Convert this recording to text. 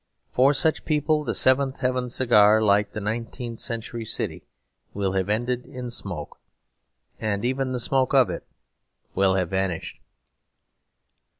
For such people the Seventh Heaven Cigar, like the nineteenth century city, will have ended in smoke. And even the smoke of it will have vanished.